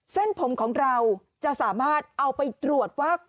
เส้นผมของเราจะสามารถเอาไปตรวจว่า